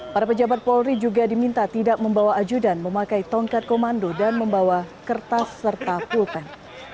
para pejabat polri juga diminta tidak membawa ajudan memakai tongkat komando dan membawa kertas serta pulpen